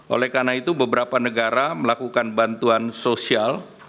oleh karena itu beberapa negara melakukan bantuan sosial